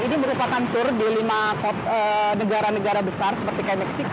ini merupakan tour di lima negara negara besar seperti mexico